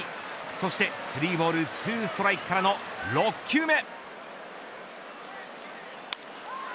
そして３ボール２ストライクからの６球目。